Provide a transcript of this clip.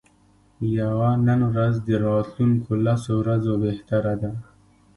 یوه نن ورځ د راتلونکو لسو ورځو بهتره ده.